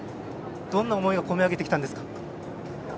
どんな思いが込み上げてきたんですか？